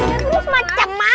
ya terus macem mana